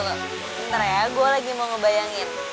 ntar ya gue lagi mau ngebayangin